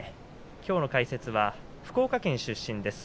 きょうの解説は福岡県出身です